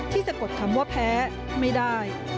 สะกดคำว่าแพ้ไม่ได้